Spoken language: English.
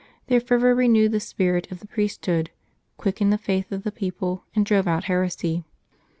Their fervor renewed the spirit of the priesthood, quickened the faith of the people, and drove out heresy.